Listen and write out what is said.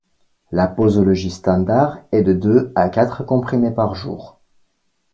La posologie standard est de deux à quatre comprimés par jour.